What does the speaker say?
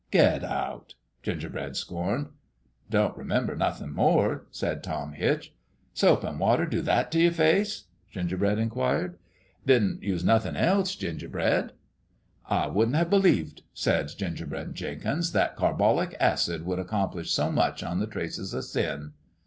" Get out !" Gingerbread scorned. "Don't remember nothin' more," said Tom Hitch. " Soap an' water do that t' your face ?" Ginger bread inquired. " Didn't use nothin' else, Gingerbread." " I wouldn't have believed," said Gingerbread Jenkins, " that carbolic acid could accomplish so much on the traces o' sin."